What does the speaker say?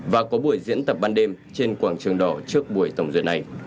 và có buổi diễn tập ban đêm trên quảng trường đỏ trước buổi tổng duyệt này